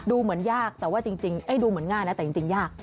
ดูเหมือนยากแต่ว่าจริงดูเหมือนง่ายนะแต่จริงยาก